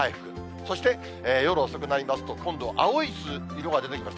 そして夜遅くになりますと、今度は青い色が出てきました。